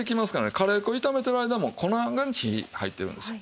カレー粉を炒めてる間も粉に火入ってるんですよ。